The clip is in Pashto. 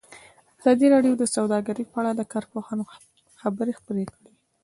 ازادي راډیو د سوداګري په اړه د کارپوهانو خبرې خپرې کړي.